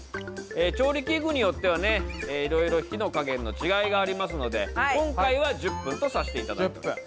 え調理器具によってはねいろいろ火の加減の違いがありますので今回は１０分とさせていただきます。